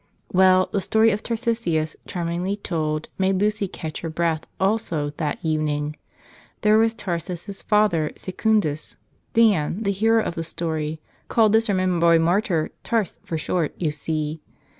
Well, the story of Tarsicius, charmingly told, made Lucy catch her breath, also, that evening. There was Tarse's father, Secundus — Dan, the hero of the story, called this Roman boy martyr "Tarse," for short, you see.